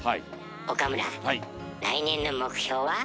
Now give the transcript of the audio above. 岡村来年の目標は？